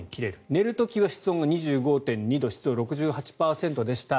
寝る時は室温が２５．２度湿度６８％でした。